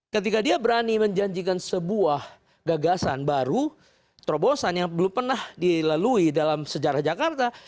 ketika dia berani menjanjikan sebuah gagasan baru terobosan yang belum pernah dilalui dalam sejarah jakarta